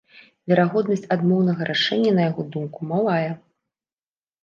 Верагоднасць адмоўнага рашэння, на яго думку, малая.